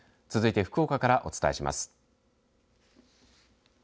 続いて福岡からお伝えします。